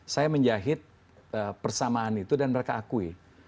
saya menjahit persamaan itu dan mereka akui